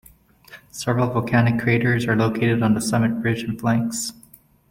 Several volcanic craters are located on the summit ridge and flanks.